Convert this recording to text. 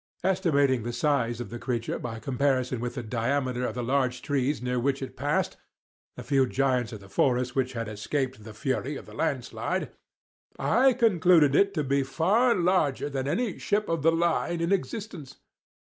Estimating the size of the creature by comparison with the diameter of the large trees near which it passed—the few giants of the forest which had escaped the fury of the land slide—I concluded it to be far larger than any ship of the line in existence.